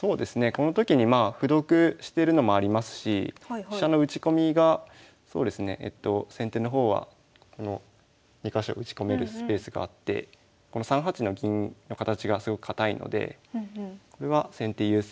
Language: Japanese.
この時にまあ歩得してるのもありますし飛車の打ち込みがそうですね先手の方はこの２か所打ち込めるスペースがあってこの３八の銀の形がすごく堅いのでこれは先手優勢。